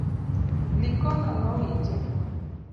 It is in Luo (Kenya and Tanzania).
Likono nowinje